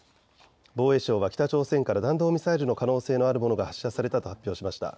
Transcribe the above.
防衛省は北朝鮮から弾道ミサイルの可能性のあるものが発射されたと発表しました。